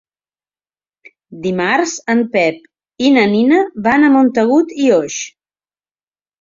Dimarts en Pep i na Nina van a Montagut i Oix.